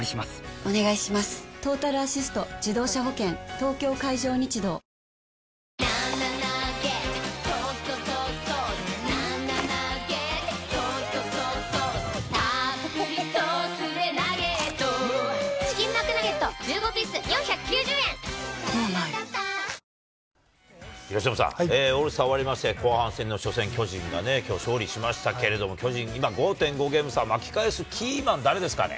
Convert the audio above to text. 東京海上日動由伸さん、オールスター終わりまして、後半戦の初戦、巨人がね、きょう勝利しましたけれども、巨人今５．５ゲーム差、巻き返すキーマン、誰ですかね。